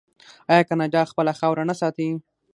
آیا کاناډا خپله خاوره نه ساتي؟